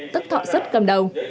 tức thọ sứt cầm đầu